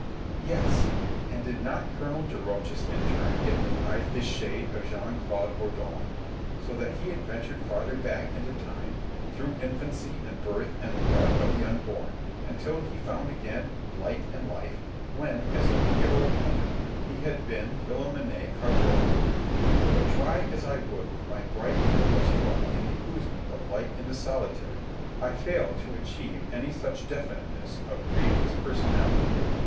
Yes, and did not Colonel de Rochas in turn hypnotize this shade of Jean Claude Bourdon, so that he adventured farther back into time, through infancy and birth and the dark of the unborn, until he found again light and life when, as a wicked old woman, he had been Philomène Carteron? But try as I would with my bright bit of straw in the oozement of light into solitary, I failed to achieve any such definiteness of previous personality.